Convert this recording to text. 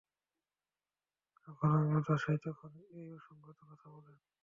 যখন আমি উদাস হই, তখন এই অসংগত কথা বলেন।